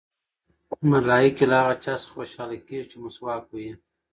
ملایکې له هغه چا څخه خوشحاله کېږي چې مسواک وهي.